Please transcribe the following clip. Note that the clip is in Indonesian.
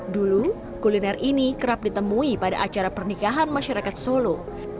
dulu kuliner ini kerap ditemui pada acara pernikahan masyarakat solo